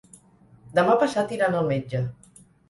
Demà passat iran al metge.